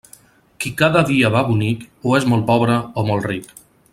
Qui cada dia va bonic, o és molt pobre o molt ric.